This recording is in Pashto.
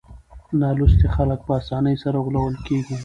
نالوستي خلک په اسانۍ سره غولول کېږي.